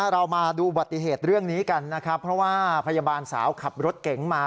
เรามาดูอุบัติเหตุเรื่องนี้กันนะครับเพราะว่าพยาบาลสาวขับรถเก๋งมา